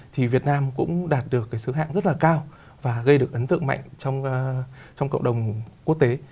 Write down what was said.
thì việt nam cũng đạt được cái sứ hạng rất là cao và gây được ấn tượng mạnh trong cộng đồng quốc tế